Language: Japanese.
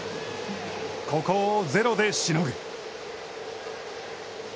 ここをゼロでしのぐ。